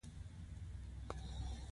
• خندېدونکی انسان هیڅکله نه ستړی کېږي.